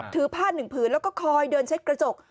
ถือผ้าหนึ่งผืนแล้วก็คอยเดินเช็ดกระจก